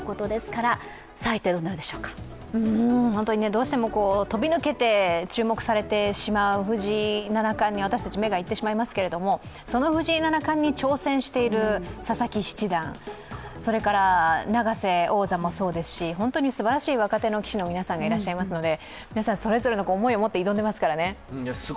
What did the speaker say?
どうしても飛び抜けて注目されてしまう藤井七冠に私たち目が行ってしまいますけどその藤井七冠に挑戦している佐々木七段、それから永瀬王座もそうですし、すばらしい若手の棋士の皆さんがいらっしゃいますので、皆さんそれぞれの思いを持って、臨んでいますからね。